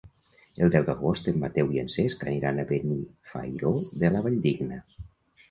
El deu d'agost en Mateu i en Cesc aniran a Benifairó de la Valldigna.